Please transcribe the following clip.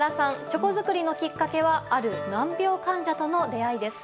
チョコ作りのきっかけはある難病患者との出会いです。